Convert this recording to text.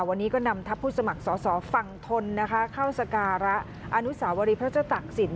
วันนี้ก็นำทัพผู้สมัครสอสอฝั่งทนนะคะเข้าสการะอนุสาวรีพระเจ้าตักศิล